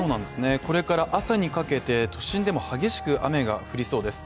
これから朝にかけて都心でも激しく雨が降りそうです。